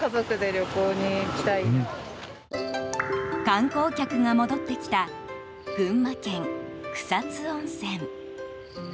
観光客が戻ってきた群馬県、草津温泉。